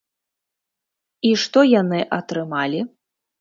І што яны атрымалі?